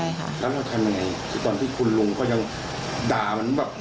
แล้วทำยังไงคือตอนที่คุณลุงเขายังด่ามันแบบ